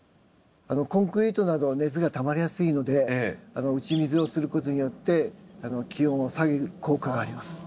コンクリートなどは熱がたまりやすいので打ち水をすることによって気温を下げる効果があります。